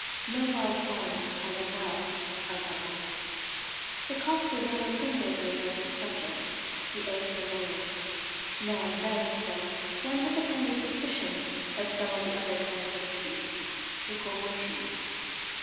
No wild flowers, however wild, are rebels. The copses and their primroses are good subjects, the oaks are loyal. Now and then, though, one has a kind of suspicion of some of the other kinds of trees the Corot trees.